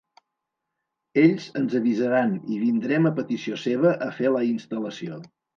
Ells ens avisaran i vindrem a petició seva a fer la instal·lació.